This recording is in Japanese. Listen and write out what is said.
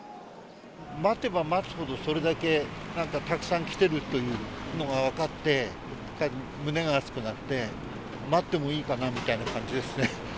待てば待つほど、それだけなんかたくさん来てるというのが分かって、胸が熱くなって、待ってもいいかなみたいな感じですね。